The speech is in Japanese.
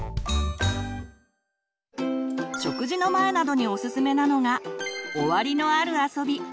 食事の前などにおすすめなのが「終わりのある遊び」。